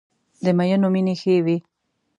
د مینو مینې ښې وې.